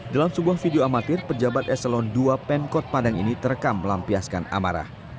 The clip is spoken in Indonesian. dalam sebuah video amatir pejabat eselon ii pemkot padang ini terekam melampiaskan amarah